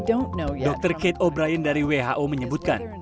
dokter kate obrian dari who menyebutkan